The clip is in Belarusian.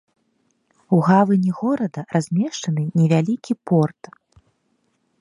У гавані горада размешчаны невялікі порт.